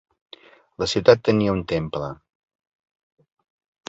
La ciutat tenia un temple.